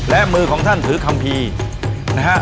และมือของท่านถือคัมภีร์นะฮะ